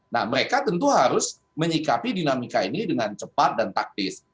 nah mereka tentu harus menyikapi dinamika ini dengan cepat dan taktis